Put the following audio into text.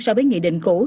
so với nghị định cũ